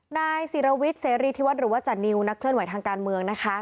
นายศิรวิทย์เสรีธิวัฒน์หรือว่าจานิวนักเคลื่อนไหวทางการเมืองนะคะ